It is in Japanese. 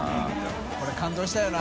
これ感動したよな。